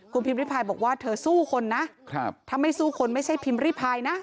คุณพิมพิพายบอกว่าเธอสู้คนนะถ้าไม่สู้คนไม่ใช่พิมพ์ริพายนะ